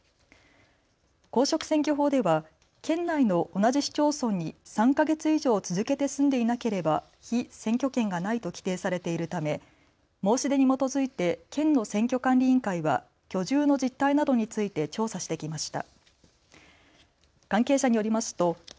公職選挙法では県内の同じ市町村に３か月以上続けて住んでいなければ被選挙権がないと規定されているため申し出に基づいて県の選挙管理委員会は居住の実態などについて調査してきました。